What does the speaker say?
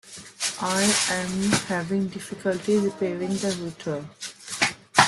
I'm having difficulty repairing the router.